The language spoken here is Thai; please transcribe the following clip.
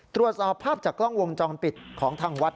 ตรวจสอบภาพจากกล้องวงจรปิดของทางวัด